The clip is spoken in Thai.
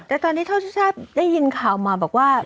แต่ตอนนี้ท่อชุชาได้ยินข่าวมาบอกว่า